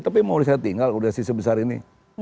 tapi mau saya tinggal sudah sisi besar ini